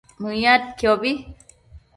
Mëyadquiobi